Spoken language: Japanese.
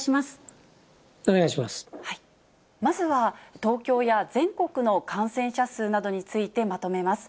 まずは、東京や全国の感染者数などについてまとめます。